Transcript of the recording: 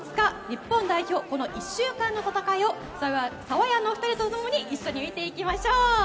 日本代表、この１週間の戦いをサワヤンのお二人とともに一緒に見ていきましょう！